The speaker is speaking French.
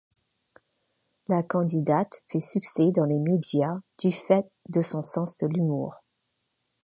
La candidate fait succès dans les médias du fait de son sens de l'humour.